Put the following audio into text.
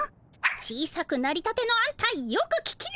小さくなりたてのあんたよく聞きな。